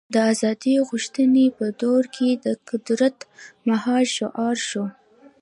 د ازادۍ غوښتنې په دور کې د قدرت مهار شعار شو.